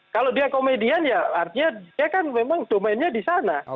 kalau dia komedian ya artinya dia kan memang domainnya di sana